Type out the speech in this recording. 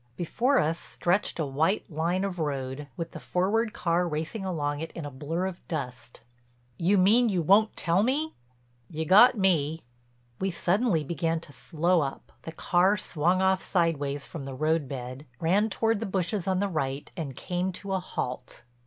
Before us stretched a white line of road, with the forward car racing along it in a blur of dust. "You mean you won't tell me?" "You got me." We suddenly began to slow up, the car swung off sideways from the roadbed, ran toward the bushes on the right, and came to a halt.